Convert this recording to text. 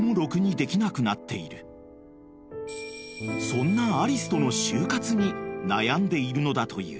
［そんなアリスとの終活に悩んでいるのだという］